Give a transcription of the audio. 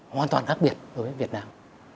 hoàn toàn khác biệt đối với việt nam